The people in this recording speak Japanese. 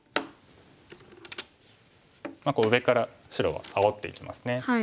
こう上から白はあおっていきますね。